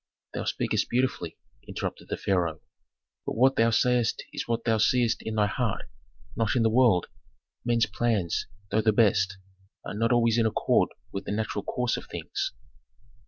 "Thou speakest beautifully," interrupted the pharaoh; "but what thou sayest is what thou seest in thy heart, not in the world. Men's plans, though the best, are not always in accord with the natural course of things."